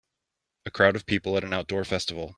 A crowd of people at an outdoor festival.